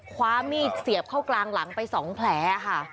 คว้ามีดเสียบเข้ากลางหลังไป๒แผลค่ะ